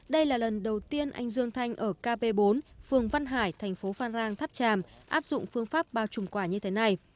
đây là lần đầu tiên anh dương thanh ở kp bốn phường văn hải thành phố phan rang tháp tràm áp dụng phương pháp bao trùm quả như thế này